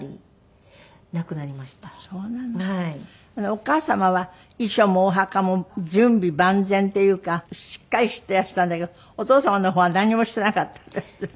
お母様は遺書もお墓も準備万全っていうかしっかりしていらしたんだけどお父様の方はなんにもしてなかったんですって？